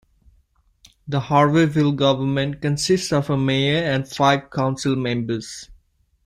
The Harveyville government consists of a mayor and five council members.